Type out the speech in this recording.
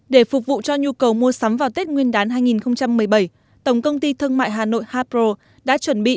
để phục vụ cho nhu cầu mua sắm vào tết nguyên đán hai nghìn một mươi bảy tổng công ty thương mại hà nội hapro đã chuẩn bị